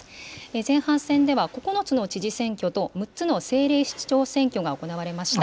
前半戦では、９つの知事選挙と６つの政令市長選挙が行われました。